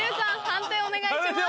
判定お願いします。